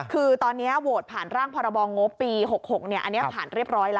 คือตอนเนี้ยโหวทผ่านร่างพณะบอร์งงบปีหกหกเนี้ยอันนี้ผ่านเรียบร้อยล่ะ